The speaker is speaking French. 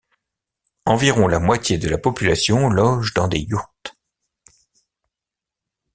Environ la moitié de la population loge dans des yourtes.